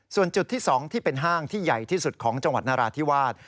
ส่วนจุดที่๒ที่เป็นห้างที่ใหญ่ที่สุดของจังหวัดนราธิวาส